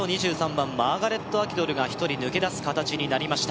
番マーガレット・アキドルが１人抜けだす形になりました